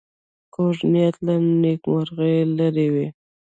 کوږ نیت له نېکمرغۍ لرې وي